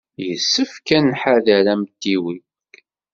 Yessefk ad nḥader amtiweg.